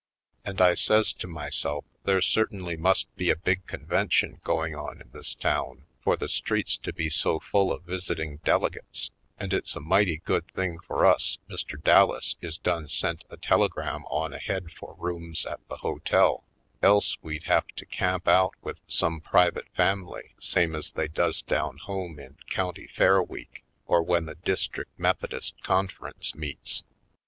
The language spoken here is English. And I says to myself there certainly must be a big convention going on in this town for the streets to be so full of visiting delegates and it's a mighty good thing for us Mr. Dallas is done sent a telegram on ahead for rooms at the hotel, else v^^e'd have to camp out w^ith some private family same as they does down home in county fair v/eek or when the district Methodist conference meets.